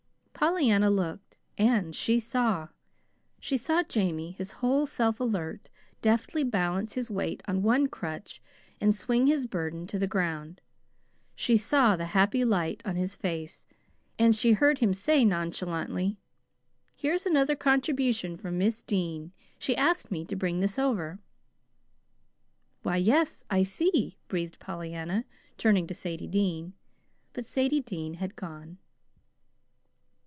Pollyanna looked, and she saw. She saw Jamie, his whole self alert, deftly balance his weight on one crutch and swing his burden to the ground. She saw the happy light on his face, and she heard him say nonchalantly: "Here's another contribution from Miss Dean. She asked me to bring this over." "Why, yes, I see," breathed Pollyanna, turning to Sadie Dean. But Sadie Dean had gone.